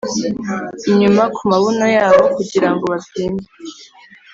Inyuma kumabuno yabo kugirango babyimbe